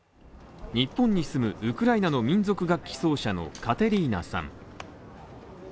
日本に住むウクライナの民族楽器奏者のカテリーナさん。